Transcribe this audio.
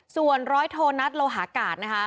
ส่วนร้อยโทนัทโลหากาศนะคะ